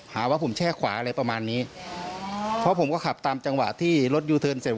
หาว่าผมแช่ขวาอะไรประมาณนี้เพราะผมก็ขับตามจังหวะที่รถยูเทิร์นเสร็จ